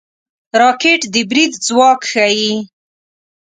راکټ د برید ځواک ښيي